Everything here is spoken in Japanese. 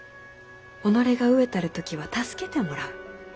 己が飢えたる時は助けてもらう。